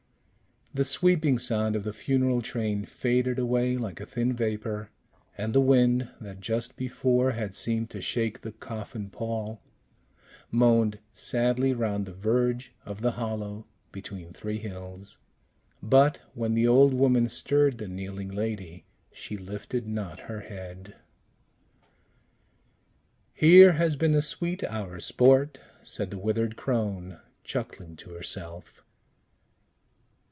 The sweeping sound of the funeral train faded away like a thin vapor, and the wind, that just before had seemed to shake the coffin pall, moaned sadly round the verge of the Hollow between three Hills. But when the old woman stirred the kneeling lady, she lifted not her head. "Here has been a sweet hour's sport!" said the withered crone, chuckling to herself.